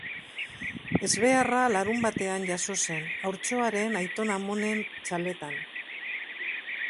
Ezbeharra larunbatean jazo zen, haurtxoaren aitona-amonen txaletan.